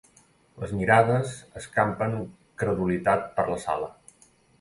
Les mirades escampen credulitat per la sala.